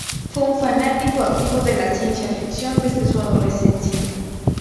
Fue un fanático activo de la ciencia ficción desde su adolescencia.